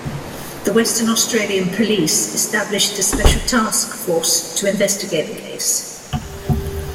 The Western Australian Police established a special task force to investigate the case.